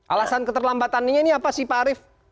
alasan keterlambatannya ini apa sih pak arief